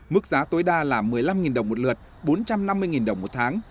mức giá tối đa là một mươi năm đồng một lượt bốn trăm năm mươi đồng một tháng